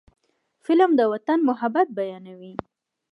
قلم د وطن محبت بیانوي